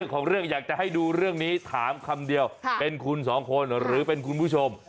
ของเรื่องอยากจะให้ดูเรื่องนี้ถามคำเดียวเป็นคุณสองคนหรือเป็นคุณผู้ชม